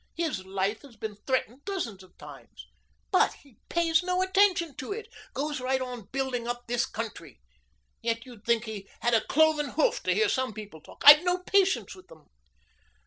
His life has been threatened dozens of times. But he pays no attention to it goes right on building up this country. Yet you'd think he had a cloven hoof to hear some people talk. I've no patience with them."